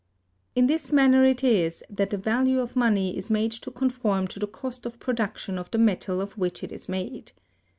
In this manner it is that the value of money is made to conform to the cost of production of the metal of which it is made.